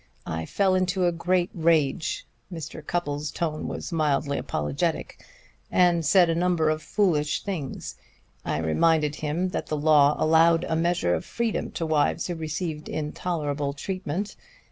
I fell into a great rage" Mr. Cupples' tone was mildly apologetic "and said a number of foolish things. I reminded him that the law allowed a measure of freedom to wives who received intolerable treatment.